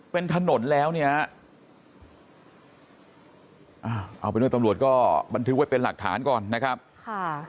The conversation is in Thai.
เป็นถนนแล้วเนี่ยเอาเป็นว่าตำรวจก็บันทึกไว้เป็นหลักฐานก่อนนะครับค่ะ